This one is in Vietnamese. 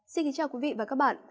xin kính chào quý vị và các bạn